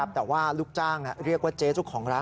แต่ว่าลูกจ้างเรียกว่าเจ๊เจ้าของร้าน